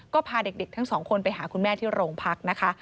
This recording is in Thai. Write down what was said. ก็พาเด็กทั้งสองคนไปหาคุณแม่ที่โรงพักนะคะ